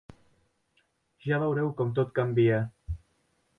Ja veureu com tot canvia.